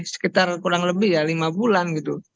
sekitar kurang lebih ya lima bulan gitu